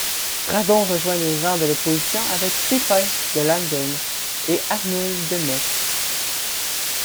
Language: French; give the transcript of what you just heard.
Radon rejoint les rangs de l'opposition avec Pépin de Landen et Arnoul de Metz.